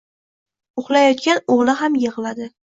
Uxlayotgan o‘g‘li ham yig‘ladi.